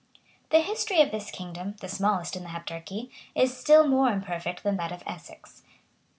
The history of this kingdom, the smallest in the Heptarchy, is still more imperfect than that of Essex.